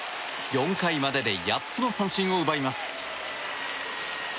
４回までで８つの三振を奪います。